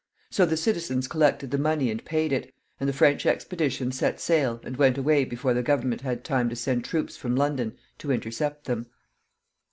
So the citizens collected the money and paid it, and the French expedition set sail and went away before the government had time to send troops from London to intercept them.